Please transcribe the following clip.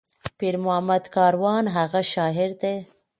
پير محمد کاروان هغه شاعر دى